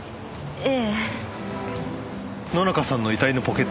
ええ。